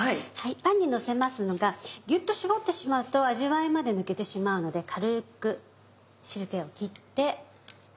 パンにのせますがギュっと絞ってしまうと味わいまで抜けてしまうので軽く汁気を切って。